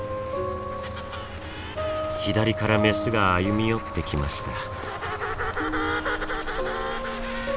左からメスが歩み寄ってきました。